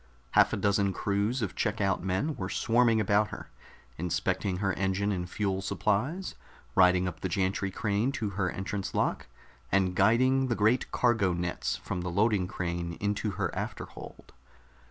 Half a dozen crews of check out men were swarming about her, inspecting her engine and fuel supplies, riding up the gantry crane to her entrance lock, and guiding the great cargo nets from the loading crane into her afterhold.